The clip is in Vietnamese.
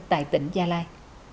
tại tỉnh gia lai